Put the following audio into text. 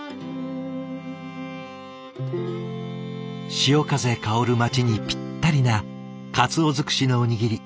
潮風薫る町にぴったりな鰹尽くしのおにぎり。